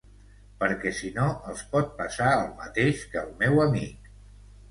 Perquè sinó els pot passar el mateix que al meu amic.